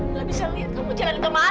nggak bisa lihat kamu jalan ke mana